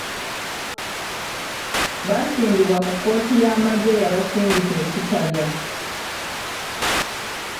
Baasimbibwa mu kkooti y’amagye eyabasindika e Kitalya.